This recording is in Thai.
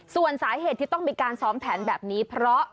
ส่วนสาเหตุที่ต้องมีการซ้อมแผนแบบนี้เพราะ